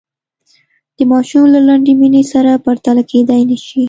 د ماشوم له لنډې مینې سره پرتله کېدلای نه شي.